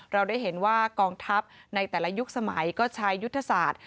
เราได้เห็นว่ากองทัพในแต่ละยุคสมัยก็ใช้ยุทธศาสตร์